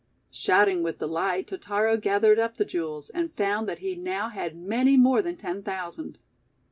Shouting with delight, Totaro gathered up the jewels, and found that he now had many more than ten thousand.